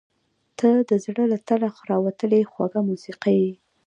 • ته د زړه له تله راوتلې خوږه موسیقي یې.